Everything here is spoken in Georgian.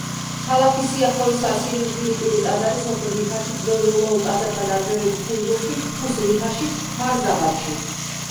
ქალაქის სიახლოვესაა სირიულ-ფინიკური ტაძარი სოფელ ნიჰაში, ძველ რომაულ ტაძართა ნანგრევები ფურზოლში, ჰუსნ-ნიჰაში, კფარ-ზაბადში.